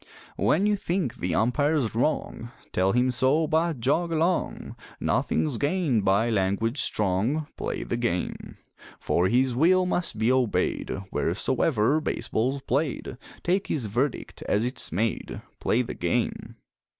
When you think the umpire's wrong, Tell him so, but jog along; Nothing's gained by language strong Play the game! For his will must be obeyed Wheresoever baseball's played, Take his verdict as it's made Play the game!